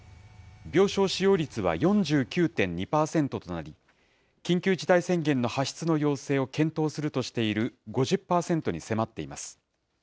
病床使用率は４９．２％となり、緊急事態宣言の発出の要請を検討するとしている５０％に迫っています。